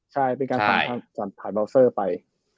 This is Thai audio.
ใช่เป็นการสั่งถ่ายเบาเซอร์ไป